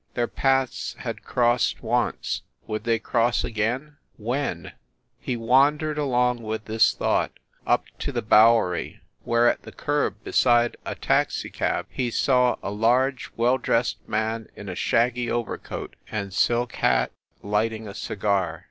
... Their paths had crossed once would they cross again ? When ? 116 THE SUITE AT THE PLAZA 117 He wandered along with this thought, up to the Bowery, where at the curb beside a taxicab he saw a large well dressed man in a shaggy overcoat and silk hat lighting a cigar.